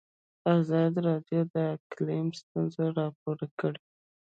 ازادي راډیو د اقلیم ستونزې راپور کړي.